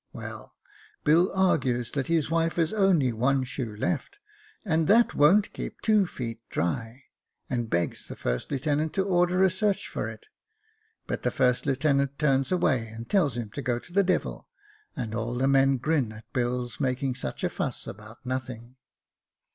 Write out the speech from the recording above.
' Well, Bill argues that his wife has only one shoe left, and that wo'n't keep two feet dry, and begs the first lieutenant to order a search for it ; but the first lieutenant turns away, and tells him to go to the devil, and all the men grin at Bill's making such a fuss about nothing.